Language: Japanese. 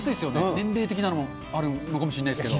年齢的なのもあるのかもしれないですけど。